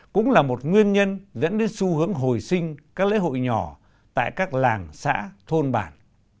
cũng là một nguyên nhân dẫn đến xu hướng hồi sinh các lễ hội nhỏ tại các làng xã thôn bản